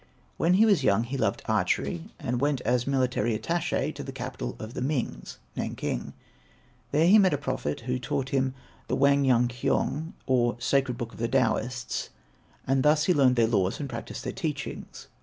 When he was young he loved archery, and went as military attaché to the capital of the Mings (Nanking). There he met a prophet who taught him the Whang jong Kyong, or Sacred Book of the Taoists, and thus he learned their laws and practised their teachings.